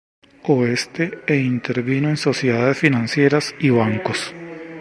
Oeste e intervino en sociedades financieras y bancos.